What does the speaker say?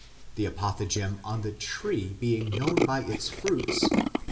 The apothegm on the tree being known by its fruits (v.